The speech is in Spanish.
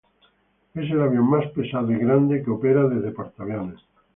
Es el avión más pesado y grande que opera desde portaaviones.